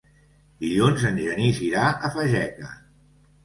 Dilluns en Genís irà a Fageca.